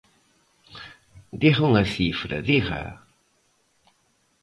Diga unha cifra, dígaa.